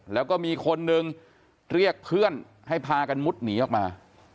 แล้วก็มีคนนึงเรียกเพื่อนให้พากันมุดหนีออกมา